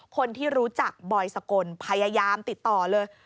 คนที่รู้จักบอยสกลพยายามติดต่อเลย